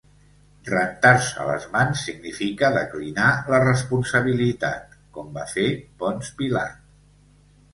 Rentar-se les mans significa declinar la responsabilitat, com va fer Ponç Pilat.